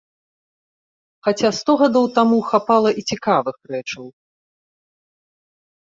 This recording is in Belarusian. Хаця сто гадоў таму хапала і цікавых рэчаў.